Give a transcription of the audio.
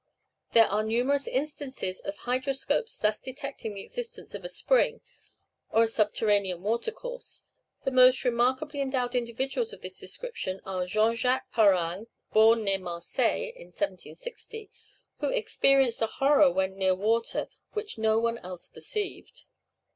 There are numerous instances of hydroscopes thus detecting the existence of a spring, or of a subterranean watercourse; the most remarkably endowed individuals of this description are Jean Jacques Parangue, born near Marseilles, in 1760, who experienced a horror when near water which no one else perceived.